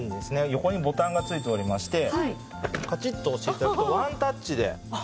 横にボタンが付いておりましてカチッと押して頂くとワンタッチで外す事ができます。